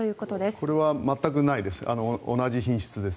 これは全くないです。